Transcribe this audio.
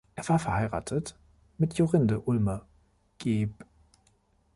Er war verheiratet mit Jorinde Ulmer, geb.